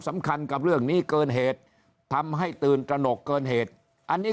สำคัญกับเรื่องนี้เกินเหตุทำให้ตื่นตระหนกเกินเหตุอันนี้